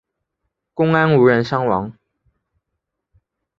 公安无人伤亡。